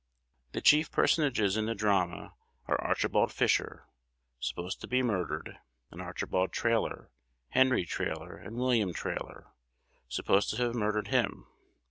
The chief personages in the drama are Archibald Fisher, supposed to be murdered, and Archibald Trailor, Henry Trailor, and William Trailor, supposed to have murdered him.